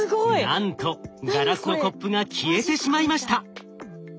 なんとガラスのコップが消えてしまいました。